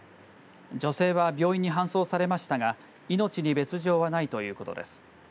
女性は病院に搬送されましたが命に別状はないということです。